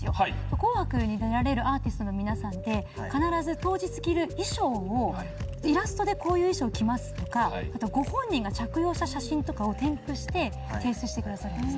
『紅白』に出られるアーティストの皆さんって必ず当日着る衣装をイラストでこういう衣装着ますとかご本人が着用した写真とかを添付して提出してくださるんです。